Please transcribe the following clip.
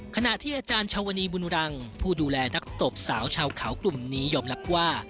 ขณะที่อาจารย์ชาวณีบุญรังผู้ดูแลนักตบสาวชาวเขากลุ่มนี้ยอมรับว่า